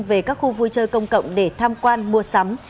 về các khu vui chơi công cộng để tham quan mua sắm